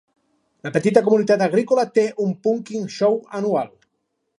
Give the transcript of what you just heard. La petita comunitat agrícola té un "Punkin' Show" anual.